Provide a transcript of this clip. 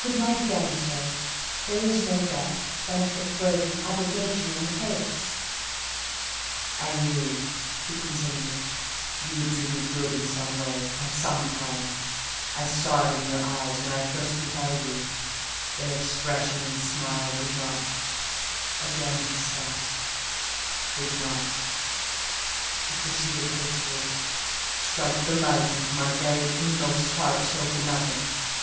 "Good night again, sir. There is no debt, benefit, burden, obligation, in the case." "I knew," he continued, "you would do me good in some way, at some time;—I saw it in your eyes when I first beheld you: their expression and smile did not"—(again he stopped)—"did not" (he proceeded hastily) "strike delight to my very inmost heart so for nothing.